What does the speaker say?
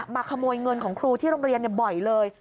ขโมยเงินของครูที่โรงเรียนบ่อยเลย